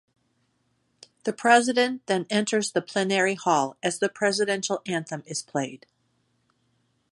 The President then enters the Plenary Hall as the Presidential Anthem is played.